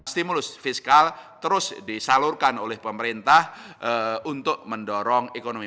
stimulus fiskal terus disalurkan oleh pemerintah untuk mendorong ekonomi